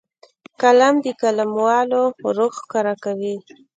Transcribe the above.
قلم د قلموالو روح ښکاره کوي